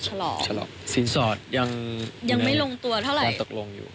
ค่ะฉลอมฉลอมสียังยังไม่ลงตัวเท่าไรความตกลงอยู่